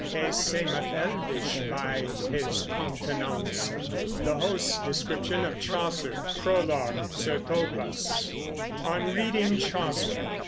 He semeth elvish by his contenaunce.' (The Host's description of Chaucer, Prologue, Sir Thopas) ON READING CHAUCER.